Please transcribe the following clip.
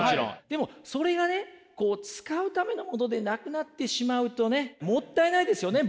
でもそれがね使うためのものでなくなってしまうとねもったいないですよね